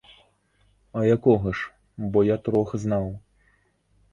А якога ж, бо я трох знаў?